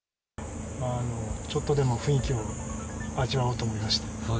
ちょっとでも雰囲気を味わおうと思いまして。